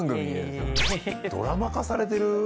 ドラマ化されてる。